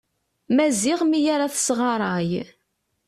Maziɣ mi ara tesɣaray.